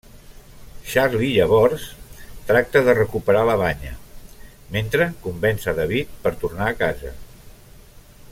Charlie llavors, tracta de recuperar la banya, mentre convenç a David per tornar a casa.